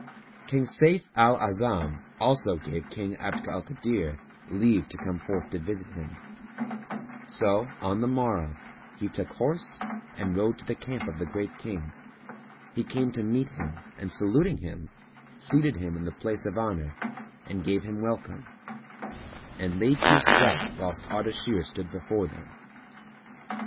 King Sayf al A'azam also gave King Abd al Kadir leave to come forth to visit him; so, on the morrow, he took horse and rode to the camp of the Great King, who came to meet him and saluting him, seated him in the place of honour, and gave him welcome; and they two sat whilst Ardashir stood before them.